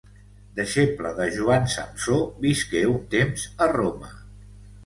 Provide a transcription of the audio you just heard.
Deixeble de Joan Samsó, visqué un temps a Roma.